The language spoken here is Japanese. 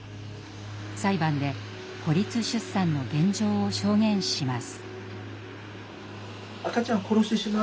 裁判で孤立出産の現状を証言します。